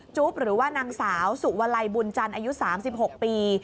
หรือว่านางสาวสุวลัยบุญจันทร์อายุ๓๖ปี